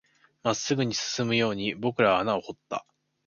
真っ直ぐに進むように僕らは穴を掘った